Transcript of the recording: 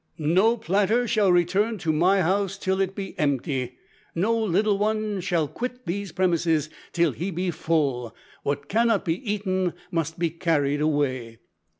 "No platter shall return to my house till it be empty. No little one shall quit these premises till he be full; what cannot be eaten must be carried away."